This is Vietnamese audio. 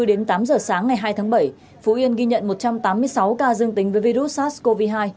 đến tám giờ sáng ngày hai tháng bảy phú yên ghi nhận một trăm tám mươi sáu ca dương tính với virus sars cov hai